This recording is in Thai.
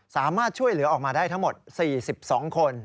สามารถช่วยเหลือออกมาได้ทั้งหมด๔๒คน